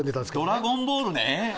『ドラゴンボール』ね！